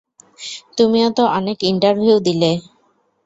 তুমিও তো অনেক ইন্টারভিউ দিলে।